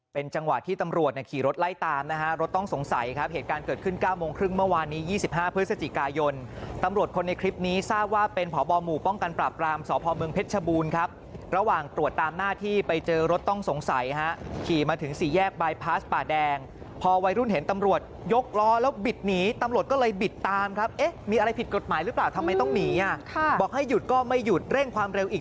เป็นจังหวะที่ตำรวจขี่รถไล่ตามนะฮะรถต้องสงสัยครับเหตุการณ์เกิดขึ้น๙โมงครึ่งเมื่อวานนี้๒๕พฤศจิกายนตำรวจคนในคลิปนี้ทราบว่าเป็นผอบหมู่ป้องกันปราบกรามสพเมืองเพชรชบูรณ์ครับระหว่างตรวจตามหน้าที่ไปเจอรถต้องสงสัยฮะขี่มาถึงสี่แยกบายพาสป่าแดงพอวัยรุ่นเห็นตำรวจยก